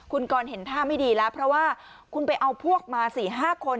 คุณกรเห็นท่าไม่ดีแล้วเพราะว่าคุณไปเอาพวกมา๔๕คน